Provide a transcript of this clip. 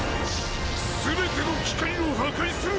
全ての機械を破壊する！